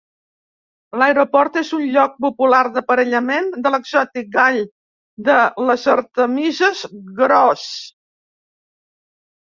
L'aeroport és un lloc popular d'aparellament de l'exòtic gall de les artemises gros.